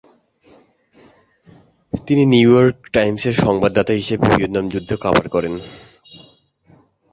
তিনি New York টাইমসের সংবাদদাতা হিসেবে ভিয়েতনাম যুদ্ধ কভার করেন।